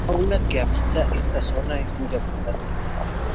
La fauna que habita esta zona es muy abundante.